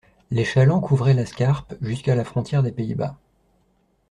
Les chalands couvraient la Scarpe jusqu'à la frontière des Pays-Bas.